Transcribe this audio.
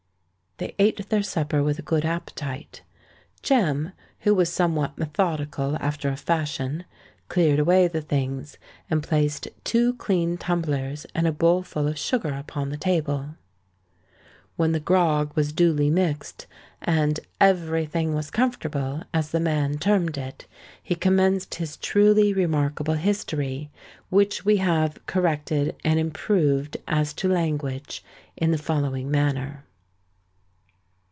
They ate their supper with a good appetite. Jem—who was somewhat methodical after a fashion—cleared away the things, and placed two clean tumblers and a bowl full of sugar upon the table. When the grog was duly mixed, and "every thing was comfortable," as the man termed it, he commenced his truly remarkable history, which we have corrected and improved as to language, in the following manner.